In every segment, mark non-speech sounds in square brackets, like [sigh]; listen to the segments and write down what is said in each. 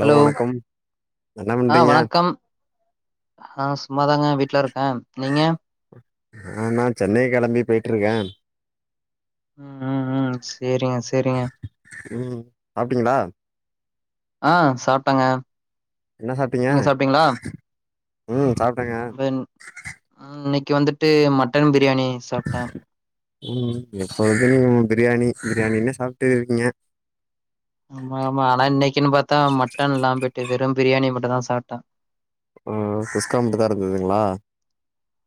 Hello என்ன ஆ பண்றீங்க வணக்கம் ஆ சும்மாதாங்க வீட்ல இருக்க நீங்க ஆ நா சென்னை கெளம்பி போயிட்டு இருக்கே ம் ம் ம் சேரிங்க சேரிங்க ம் சாப்டீங்ளா ஆ சாப்ட்டேங்க என்ன சாப்ட்டீங்க ம் சாப் அ இன்னைக்கு வந்துட்டு மட்டன் பிரியாணி சாப்ட்டே ம் எப்ப வது நீங்க பிரியாணி பிரியாணி என்ன சாப்பிட்டு இருக்கீங்க ஆமா ஆமா ஆனா இன்னைக்குன்னு பாத்தா மட்டன் எல்லா போய்ட்டு வெறு பிரியாணி மட்டு தா சாப்ட்டே ஆ குஸ்கா மட்டு தா இருந்ததுங்களா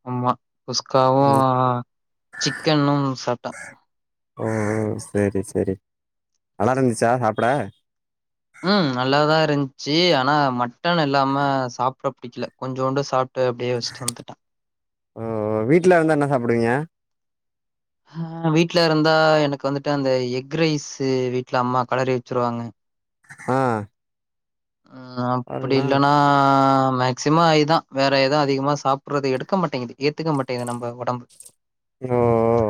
ஆமா குஸ்காவு ம் சிக்கனும் சாப்ட்ட ஓ செரி செரி நல்லா இருந்துச்சா சாப்பிட ம் நல்லாதா இருந்துச்சு ஆனா மட்டன் இல்லாம சாப்பிட பிடிக்கல கொஞ்சோண்டு சாப் வீட்ல வந்தா என்ன சாப்டுவீங்க ஹ வீட்ல இருந்தா எனக்கு வந்துட்டு அந்த எக் ரைஸ் வீட்ல அம்மா கெளறி வச்சிருவாங்க ஆ ம் அப்டி பாருங்களே இல்லன்னா சிம்மாயிதா வேற ஏதாவ அதிகமா சாப்பிடடுறது எடுக்க மாட்டேங்குது ஏத்துக்க மாட்டேங்கது நம்ம உடம்பு ஓ ஓ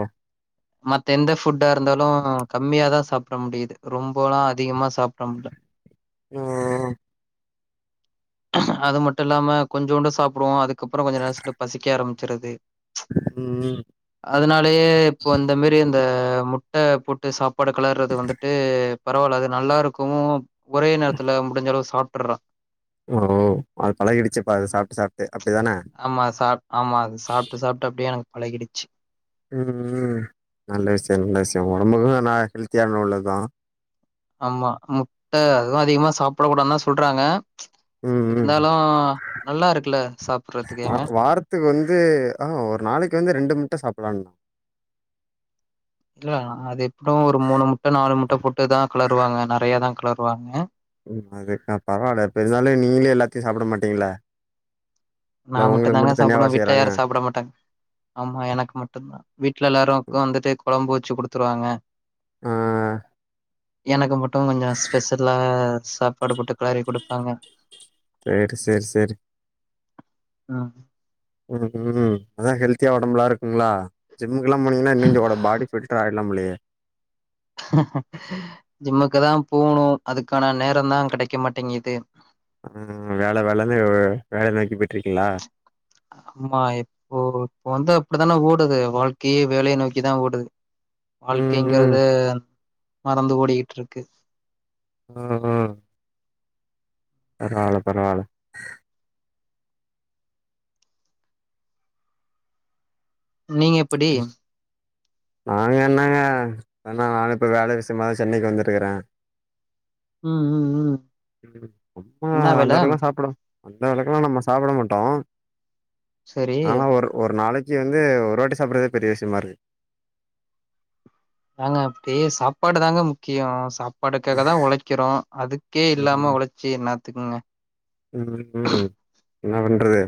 மத்த எந்த ஃபுட்டா இருந்தாலு கம்மியாதா சாப்பிட முடியுது ரொம்ப எல்லா அதிகமா சாப்பிட முடில ம் ம் அது மட்டு இல்லாம கொஞ்சோண்டு சாப்புடுவோ அதுக்கப்புறோ கொஞ்ச நேரோ செண்டு பசிக்க ஆரம்பிச்சிருது ம் ம் அதனாலயே இப்போ இந்த மாரி இந்த முட்ட சாப்பாடு கலர்றது வந்துட்டு பெரவாயில்ல அது நல்லா இருக்கவு ஒரே நேரத்துல வ [unintelligible] சாப்ட்டுறா ஓ அது பழகிடுச்சுப்பா அது சாப்ட்டு சாப்ட்டு ச் அப்டிதான ஆமா அது சாப் ஆமா அது சாப்புட்டு சாப்புட்டு அப்டியே எனக்கு பழகிடுச்சு ம் ம் நல்ல விஷயோ நல்ல விஷயோ ஒடம்புக்கு நா ஹெல்த்தியான உள்ள தான் ஆமா முட்ட அதுவு அதிகமா சாப்பிட கூடாது தா சொல்றாங்க ச் ம், ம். இருந்தாலு நல்லா இருக்குல்ல சாப்புடறதுக்கு ஏங்க த்துக்கு வந்து ஆ ஒரு நாளைக்கு வந்து ரெண்டு முட்ட சாப்டலாம்ணு இல்ல அது எப்பவு ஒரு மூணு முட்ட நாலு முட்ட போட்டுதா கெளருவாங்க நெறைய தா கெளருவாங்க ம் அதுக்கா பெரவால்ல பெருந்தாலும் [unintelligible] நீங்களே எல்லாத்தையு சாப்பட மாட்டீங்கள நா மட்டு தாங்க தனியாவா சாப்புடுவ விடல செய்றாங்க? யாரு சாப்பட மாட்டாங்க ஆமா எனக்கு மட்டுதான் வீட்ல எல்லாரும்க்கு வந்துட்டு கொழம்பு வச்சு ககொடுத்துருவாங்க ஆ எனக்கு மட்டு கொஞ்ச ஸ்பெஷல்லா சாப்பாடு போட்டு கெளரி கொடுப்பாங்க செரி செரி செரி ம் ம் ம் அதா ஹெல்தியா ஒடம்புலா இருக்குங்களா ஜிம்க்கு எல்லா போனீங்கன்னா இன்னு கொஞ்ச கூட பாடி பிட் ஆய்டு நம்புலயே ஜிம்முக்கு தா போகணு அதுக்கான நேரோ தா கெடக்க மாட்டேங்குது ம் வேல வேலன்னு வேல நோக்கி போயிட்டு இருக்கங்களா அம்மா எ ஓ இப்ப வந்து அப்டித்தானே ஓடுது வாழ்க்கயே வேலயே நோக்கிதா ஓடுது ம், ம். வாழ்க்கங்கறத மறந்து ஓடிக்டிட்டு இருக்கு அ அ பெரவால பெரவால நீங்க எப்படி [unintelligible] நாங்க என்னங்க என்ன நானு இப்ப வேல விஷ்யமாதா சென்னைக்கி வந்துருக்குறே ம் ம் ம் உப்புமா என்ன அந்த வேல அளவுக்ளா சாப்புட அந்த அளவ்க்குலா நம்ம சாப்புட மாட்டோ சரி ஆனா ஒரு ஒரு நாளக்கி வந்து ஒரு வாட்டி சாப்புட்றதே பெரிய விஷ்யமா இருக்குது ஏங்க அப்டி சாப்பாடு தாங்க முக்கியொ சாப் சாப்பாட்டுக்காக தா ஒழைக்கிறோ அதுக்கே இல்லாம ம் ஒழச்சு என்னாத்துக்குங்க ன ம் ம் என்ன பண்றது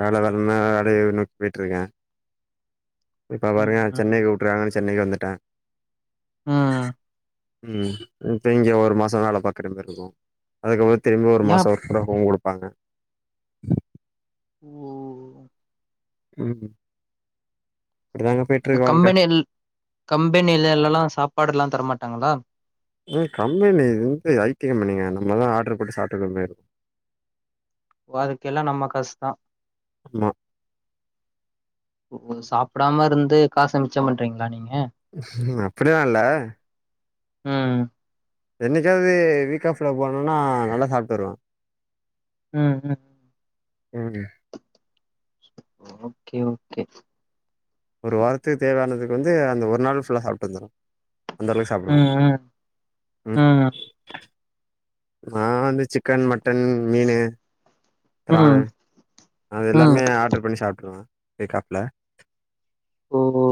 வேல வர்னு அத நோக்கி போயிட்டு இருக்கே இப்ப பாருங்க ம் சென்னைக் கூப்ட்றாங்கன்னு சென்னைக்கி வந்துட்டே ம் ம் இப்ப இங்க ஒரு மாசோ வேல பாக்குற மாரி இருக்கு அதுக்கப்றோ திரும்பி ஒரு ஏ மாசோ [unintelligible] குடுப்பாங்க ஒ ம் இப்டிதாங்க இந்த போயிட்ருக்கு வாழ்க்க கம்பெனியில் கம்பெனியில்லெல்லல்லா சாப்பாடு எல்லா தரமாட்டாங்களா ம் கம்பெனி வந்து ஐடி கம்பெனிங்க நம்ம தா ஆர்ட்ரு போட்டு சாப்ட்டுக்கன்ங்க ஓ அதுக்கெல்லா நம்ம காசு தா ஆமா ஓ சாப்டாம இருந்து காச மிச்சம் பண்றீங்களா நீங்க அப்டியல்லா இல்ல ம் என்னெக்காவது வீக் ஆஃப்ல போனேனா நல்லா சாப்ட்டு வருவே ம் ம் ம் ஓகே ஓகே ஒரு வாரத்துக்கு தேவையானது வந்து அந்த ஒரு நாள் ஃபுல்லா சாப்ட்டு வந்துருவே அந்த அளவுக்கு சாப்டுவே ம் ம் ம் நா வந்து சிக்கன் மட்டன் மீனு பிரானு ம் அது ம் எல்லாமே ஆர்ட்ரு பண்ணி சாப்ட்ருவே வீக் ஆஃப்ல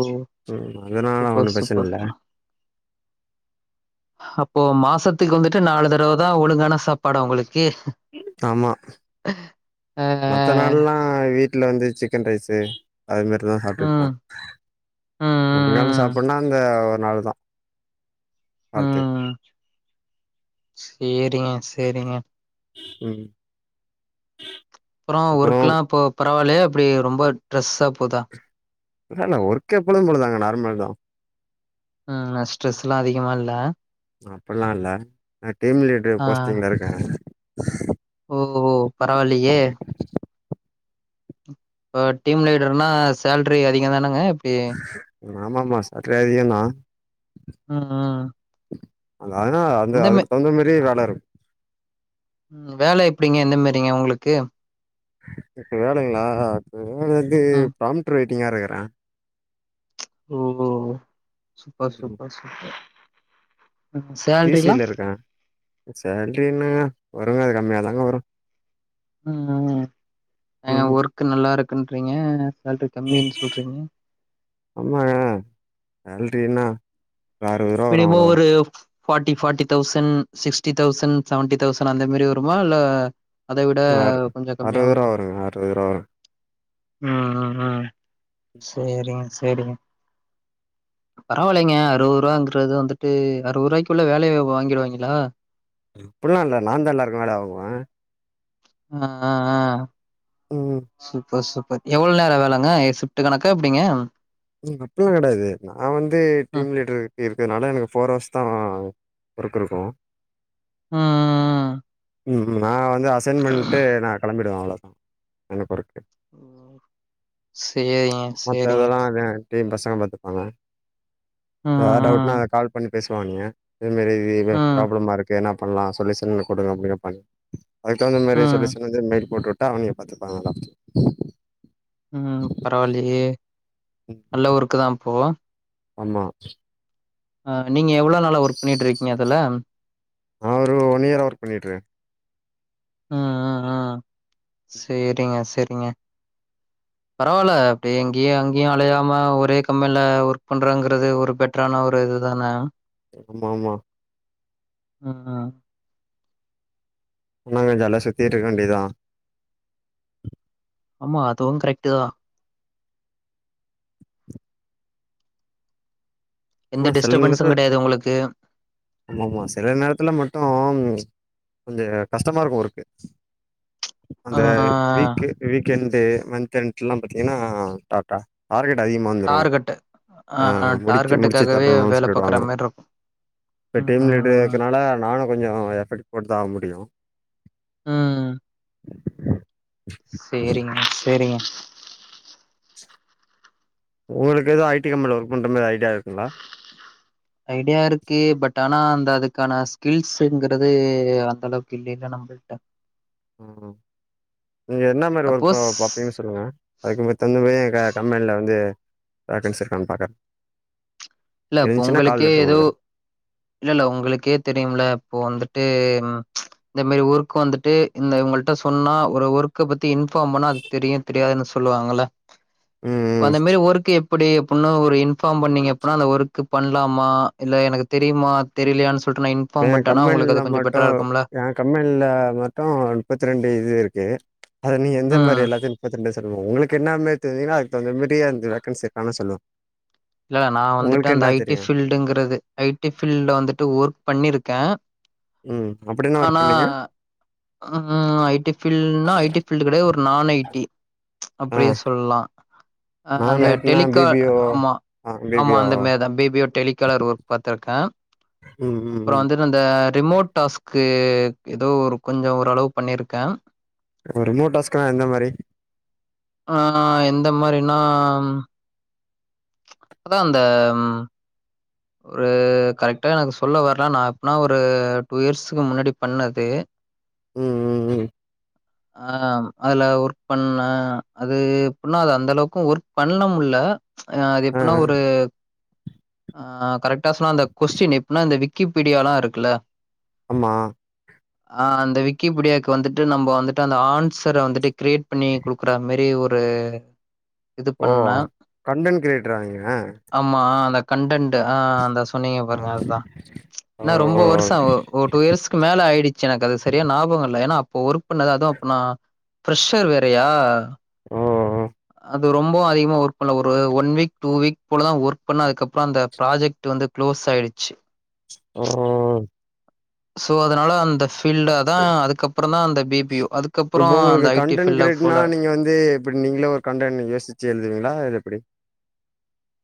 ஓ ம் அதுனால சூப்பர் ஒன்னு பிரச்சன சூப்பர் இல்ல அப்போ மாசத்துக்கு வந்துட்டு நாலு தடவதா ஒழுங்கான சாப்பாடா ஒங்களுக்கு ஆமா ஹ மத்த நாள்லா வீட்டுல வந்து சிக்கன் ரைஸு அது மாரிதா சாப்ட்டு இருப்பே ம் ம் ஒழுங்கான ம் சாப்படுனா அங்க ஒரு நாள் தா வாரத்துக்கு ம் சேரிங்க சேரிங்க ம் அப்பறொ அப்புறோ ஒர்க்குல்லா இப்ப பரவால்லையா எப்டி ரொம்ப ட்ரெஸ்ஸா போதா இல்லல்ல ஒர்க் எப்பொழுது போல தா நார்மல் தா ம் ந ஸ்ட்ரெஸ் ல்லா அதிகமா இல்ல அப்புட்ல்லா இல்ல நா டீம் லீட்ரு ஆ போஸ்டிங்ல இருக்கே ஓ ஓ பரவால்லெயே இப்போ டீம் லீடருனா சேல்ட்ரி அதிகந் தானங்க எப்டி ஆமா ஆமா சேல்ட்ரி அதிகந்தா ம் ம் அ அதனா அந்த எந்த மே அதுக்கு தகுந்த மாரியே வேல இருக் ம் வேல எப்டிங்க எந்த மாரிங்க உங்களுக்கு இப்போ வேலைங்களா இப்போ வேலை வந்து ம் பாம்ரெயிட்டிங்க இருக்கிறே ஓ ஓ சூப்பர் சூப்பர் சூப்பர் பி சேல்ரிலாம் சியில இருக்க சேலரி என்னங்க வருங்க அது கம்மியாதாங்க வரு ம் ம் ஏங்க ம் ஒர்க் நல்லா இருக்குங்கீரிங்க சேலரி கம்மினு சொல்றீங்க ஆமாங்க சேலரி என்னா ஒரு அறுவதுவா மினிமம் ஒரு forty forty thousand sixty thousand seventy thousand அந்த மாரி வருமா இல்ல அத விட அறு கொஞ்சோ கம்மியா அறுவது ரூவா வருமா வருங்க அறுவது ரூவா வரு ம் ம் ம் சேரிங்க சேரிங்க பரவாயில்லைங்க அறுபது ரூபாங்கறது வந்துட்டு அறுபது ரூபாய்க்குள்ள வேலைய வாங்கிடுவாங்களா அப்டில்லா இல்ல நா தா எல்லாருக்கு வேல வாங்குவே ஆ ஆ ஆ ம் சூப்பர் சூப்பர் எவ்ளோ நேர வேலைங்க சிப்ட் கணக்கா எப்டிங்க ம் அப்டில்லா கெடையாது நா வந்து ம் டீம் லீடருக்கு இருக்கதுனால எனக்கு ஃபோர் ஹவர்ஸ் தா ஒர்க் இருக்கு ஆ ஆ ஆ ம் ம் நா வந்து அசைன் பண்டு நா கிளம்பிடுவே அவ்ளோதா என்னகு ஒர்க்கு ம் சேரிங்க மத்த சேரிங்க இதெல்லா அவே பேக்ரியு பசங்க பாத்துப்பாங்க எதாவது டவுட்னா ம் கால் பண்ணி பேசுவாய்ங்க இதுமாரி இது ம் ப்ராப்ளமா இருக்கு என்ன பண்ணலா சொல்யூஷன் கொடுங்க அப்டின்னு கேப்பாங்க அதுக்கு தகுந்த மாரி ம் சொலுயூஷன் வந்து மெயில் போட்டுவுட்டா அவிங்க பாத்துப்பாங்கல்லா ம் பரவாயில்லையே நல்ல ஓர்க்கு தா அப்போ ஆமா ஆ நீங்க எவ்ளோ நாளா ஒர்க் பண்ணிட்டு இருக்கீங்க அதுல நா ஒரு ஒன் இயரா ஓர்க் பண்ணிட்டுருக்கே ம் ஆ ஆ ஆ சேரிங்க சேரிங்க [inaudible] பரவாயில்ல அப்டி இங்கேயு அங்கேயு அலையாம ஒரே கம்பெனியில ஒர்க் பண்றங்கிறது ஒரு பெட் டரான ஒரு இது தான ஆமா ஆமா ம் ம் சும்மா கொஞ்ச ஜாலியா சுத்திட்டு இருக்க வேண்டியதுதா ஆமா அதுவு கரெக்ட் தா எந்த ஆனா சில டிஸ்டபென்ஸு நேரத்துல கெடையாது உங்களுக்கு ஆமா ஆமா சில நேரத்துல மட்டு கொஞ்சோ கஷ்டமா இருக்கு ஓர்க்கு ஆ அந்த வீக் வீக்கெண்டு மந்த்தெண்ட்டு எல்லா பாத்தீங்கன்னா டாடா டார்கெட் அதிகமா வந்துரு டார்கெட்டு ஆ முடிச்சு முடிச்சு டார்கெட்டுக்காகவே தரணுனு வேல பாக்குற சொல்லிடுவாங்க மாரி இருக்கு. இப்போ ம் டீம் லீடர் ம் இருக்கனால நானு கொஞ்சோ எஃபெக்ட் போட்டு தா ஆவ முடியு ஆ சேரிங்க சேரிங்க உங்களுக்கு எது ஐ டி கம்பெனில ஒர்க் பண்ற மாரி ஐடியா இருக்குங்களா ஐடியா இருக்கு பட் ஆனா அந்த அதுக்கான ஸ்கில்ஸ்ங்கிறது அந்த அளவுக்கு இல்லல்ல நம்பள் அ ம் நீங்க என்ன மாரி ஒர்க் பா சப்போஸ் பாப்பீங்க சொல்லுங்க அதுக்கு தகுந்த மாரி கா கம்பெனில வந்து வேக்கன்ஸி இருக்கான் பாக்கறே இல்ல அப்போ உங்களுக்கே ஏதோ குடுக்குறேன். இல்ல இல்ல உங்களுக்கே தெரியும்ல இப்போ வந்துட்டு இந்த மாரி ஒர்க் வந்துட்டு இந்த உங்கள்ட சொன்னா ஒரு ஒர்க்க பத்தி இன்ஃபார்ம் பண்ணா அ தெரியு தெரியாதுன்னு சொல்லுவாங்கள்ல [inaudible] அந்த மாரி ஒர்க்க்கு எப்படி அப்பில்லா ஒரு இன்ஃபார்ம் பண்ணீங்க அப்பினா அந்த ஒர்க்கு பண்லாமா இல்ல எனக்கு தெரியுமா தெரிலயானு சொல்ட்டு நா இன் பார்ம் என் பண்டேனா உங்களுக்கு கம்பெனில அது கொஞ்ச பெட்டரா மட்டும் இருக்கும்ல என் கம்பெனில மொத்தொ முப்பத்தி ரெண்டு இது இருக்குது அத நீ எந்த மாரி ம் எல்லாத்தயு கத்துக்டே இது சொல்லுவாங்க உங்களுக்கு என்ன மாரி தெரியுனா அதுக்கு தகுந்த மாரி வேகன்ஸி இருக்கானு சொல்லுவோ இல்ல நா வந்துட்டு அந்த ஐடி ஃபீல்டுங்குறது ஐடி ஃபீல்ட் வந்துட்டு ஒர்க் பண்ணிருக்கே ம் அப்டி என்ன ஒர்க் பண்ணீங்க ஆ ஐடி ஃபீல்ட்னா ஐடி ஃபீல்டு கெடையா ஒரு நான் ஐடி ஆ அப்டி சொல்லலா ஆ நான் அந்த நைட்னா பி டெலிகால் பி ஓ ஆமா ஆ பி ஆமா பி ஓ அந்த மாரிதா B B A telecaller work பாத்துருக்கே ம் ம் அப்புறோ ம் வந்து அந்த ரிமோட் டாஸ்க்கு ஏதோ ஒரு கொஞ்சோ ஓரளவு பண்ணிருக்கே இப்போ ரிமோட் டாஸ்க்குனா எந்த மாரி ஆ எந்த மாரினா அதா அந்த ஒரு கரெக்ட்டா எனக்கு சொல்ல வரலா நா எப்பனா ஒரு டூ இயர்ஸுகு முன்னாடி பண்ணது ம் ம் ம் ஆ அதுல ஒர்க் பண்ண அது எப்டின்னா அது அந்த அளவுக்கு ஒர்க் பண்ண முல்ல ஆ அது எப்பின்னா ஒரு ஆ கரெக்ட்டா சொன்னா அந்த கொஸ்டின் எப்பின்னா அந்த விக்கிபீடியாலா இருக்குல்ல ஆமா ஆ அந்த விக்கிபீடியாக்கு வந்துட்டு நம்ம வந்துட்டு அந்த ஆன்சர வந்துட்டு கிரியேட் பண்ணி குடுக்குற மாரி ஒரு இது ஓ பண்ணே கண்டன்ட் கிரியேட்டரா நீங்க ஆமா அந்த கன்டன்ட் ஆ அந்தச் பண்ணிங்க ஆ பாருங்க அதா ஓ ஏன்னா ரொம்ப வருஷ ஆவு ஒரு டூ இயர்ஸ்க்கு மேல ஆயிடுச்சு எனக்கு அது சரியா ஞாபக இல்ல ஏன்னா அப்போ ஒரு பண்ணது அதுவு அப்ப நா ஃபிரெஷ்ஷர் வேறையா ஓ ஓ அது ரொம்ப அதிகமா ஒர்க் பண்ல ஒரு ஒன் வீக் டூ வீக் போலதா ஒர்க் பண்ண அதுக்கப்புறோ அந்த ப்ராஜெக் ட் வந்து குளோஸ் ஆயிடுச்சு ஓ சோ அதனால அந்த ஃப் ஃபீல்டா தா இ அதுக்கப்புறோ தா அ பி பி ஒ அதுக்கப்புறோ அந்த ஐடி ஃபீல்ட போல க வந்து இப்டி நீங்களே ஒரு கண்டென்ட் யோசிச்சு எழுதுவீங்களா இல்ல எப்டி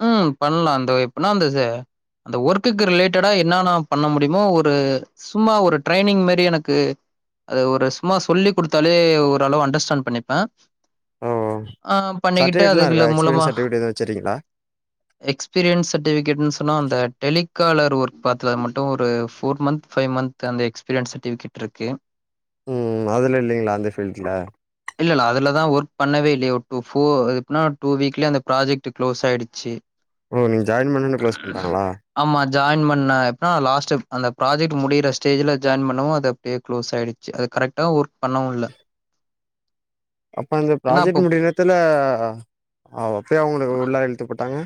ஆ பண்லா அந்த எப்பனா அந்த ச அந்த ஒர்க்குக்கு ரிலேட்டடா என்னான்ன பண்ண முடியுமோ ஒரு சும்மா ஒரு ட்ரைனிங் மாறி எனக்கு அது ஒரு சும்மா சொல்லி குடுத்தாலே ஓரளவு அண்டர்ஸ்டாண்ட் பண்ணிப்பேன் ஓ ஆ பண்ணிகிட்டே அதுகுல மூலமா இது வெச்சுரிங்களா எக்ஸ்பீரியன்ஸ் சர்டிஃபிகட்ன்னு சொன்னா அந்த டெலிகாலர் ஒர்க் பாத்தது மட்டும் ஒரு ஃபோர் மந்த் ஃபைவ் மந்த் து அந்த எக்ஸ்பீரியன்ஸ் சர்டிஃபிகட் இருக்கு ம் அதுல இல்லங்களா அந்த பீல்ட்ல இல்லல்ல அதுலதான் ஒர்க பண்ணவே இல்லைய ஒரு டூ ஃபோர் எப்டினா ஒரு டூ வீக்லயே அந்த ப்ராஜெக்ட் ட்டு க்ளோஸ் ஆயுடுச்சு ஓ நீங்க ஜாயின் பண்ணொனே க்ளோஸ் பண்ட்டாங்களா ஆமா ஜாயின் பண்ண எப்ன்னா அந்த லாஸ்ட்டு அந்த ப்ராஜெக்ட் முடிற ஸ்டேஜில ஜாயின் பண்ணவும் அத பே க்ளோஸ் ஆயிடுச்சு அது கரெக்டா ஒர்க் பண்ணவுல்ல அப்ப அந்த ப்ராஜெக்ட் முடிய நேரத்துல அப்பயா ஒங்கள உள்ளார இழுத்து போட்டாங்க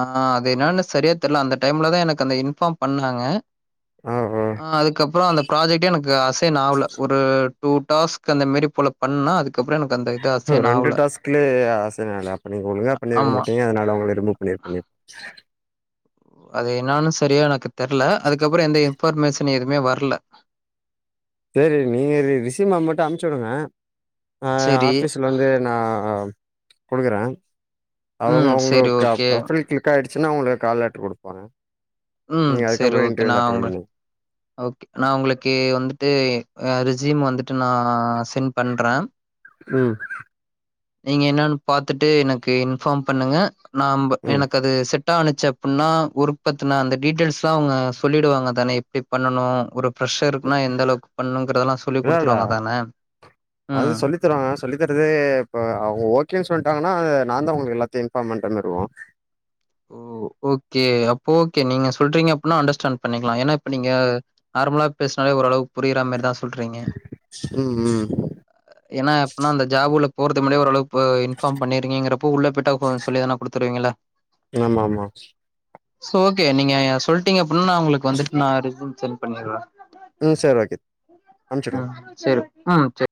ஆ அது என்னன்னு சரியா தெர்ல அந்த டைம்லதான் எனக்கு அந்த இன்ஃபார்ம் பண்ணாங்க ஆ ஓ அதுக்கப்பறம் அந்த ப்ராஜக்டே எனக்கு அசைன் ஆகல ஒரு டூ டாஸ்க் அந்த மேரி போல பண்ணா அதுக்கப்பறம் எனக்கு அந்த இது ப்ரோ அசைன் ரெண்டு ஆவல. டாஸ்க்லே அசைன் ஆகலையா அப்ப நீங்க ஒழுங்கா பண்ணிருக்க ஆமா. மாட்டீங்க அதனால ஒங்கள ரிமூவ் பண்ணிரு ணிப் அது என்னன்னு சரியா எனக்கு தெர்ல அதுக்கப்றம் எந்த இன்பர்மேஷன் எதுமே வர்ல சேரி நீங்க ரி ரிசீம்ம மட்டும் அமுச்சுடுங்க ஆ சரி. ஆஃபீஸில வந்து நான் குடுக்கறன் அவங்க ம். சரி ஒங்களுக்கு ஓகே. ப்ரொபைல் கிளிக் கிளிக் ஆயிடுச்சன்னா உங்களுக்கு கால் லெட்டர் குடுப்பாங்க ம். நீங்க சரி அதுக்கப்புறம் ஓகே. இன்டர்வியூ வந்து நான் அட்டன் உங்க பண்ணி ஓகே நான் ஒங்களுக்கு வந்துட்டு ரிசூம் வந்துட்டு நா சென்ட் பண்றேன் ம் நீங்க என்னன்னு பாத்துட்டு எனக்கு இன்ஃபார்ம் பண்ணுங்க நாம்ப ம் எனக்கு அது செட் இது ஆணிச்சு அப்டின்னா குருப்பத்தின அந்த டிடல்ஸ்லாம் அவங்க சொல்லிடுவாங்க தானே எப்படி பண்ணணும் குருப் ஃப்ரெஷ்ஷாக இருக்குனா எந்த பிரெஷர்குன்னா எந்த அளவுக்கு பண்ணுங்கிறதெலா சொல்லி் இல்ல குடுத்துருவாங்க தானே ம் ருவாங்க சொல்லி தரது இப்ப ஓகேன்னு சொல்லிட்டாங்கன்னா நா தான் உங்களுக்கு எல்லாத்தையும் இன்ஃபாம் பண்ற மாறி இருக்கும் ஓ ஓகே அப்போ ஓகே நீங்க சொல்றீங்க அப்படின்னா அண்டர்ஸ்டாண்ட் பண்ணிக்கலா ஏன்னா இப்ப நீங்க நார்மலா பேசினால ஓரளவு புரியிற மாறிதா சொல்றீங்க ம் ம் ஏன்னா அப்டினா அந்த ஜாபுல போறது முன்னாடியே ஓரளவுக்கு இப்ப இன்ஃபார்ம் பண்ணிருக்கீங்கிறப்போ உள்ளபோய்ட்டா கொ சொல்லி தானே குடுத்துருவீங்கல்ல ஆமாமா சோ ஓகே நீங்க சொல்லிட்டீங்க அப்டின் நான் உங்களுக்கு வந்துட்டு நான் ரெஸ்யூம் சென்ட் பண்ணிடுவேன் ம் சேரி ஓகே அமுச்சுடுங்க ம் சேரி ம் சேரி